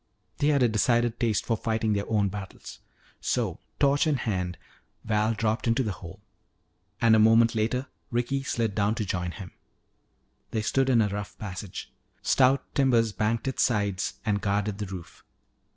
They had a decided taste for fighting their own battles. So, torch in hand, Val dropped into the hole. And a moment later Ricky slid down to join him. They stood in a rough passage. Stout timbers banked its sides and guarded the roof.